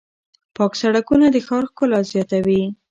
پاک سړکونه د ښار ښکلا زیاتوي.